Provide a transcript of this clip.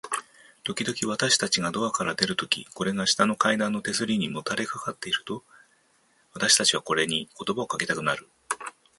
ときどき、私たちがドアから出るとき、これが下の階段の手すりにもたれかかっていると、私たちはこれに言葉をかけたくなる。